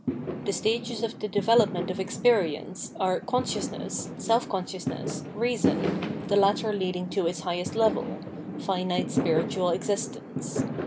The stages of the development of experience are Consciousness, Self consciousness, Reason, the latter leading to its highest level — finite Spiritual existence.